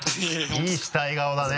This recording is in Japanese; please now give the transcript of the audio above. いい死体顔だね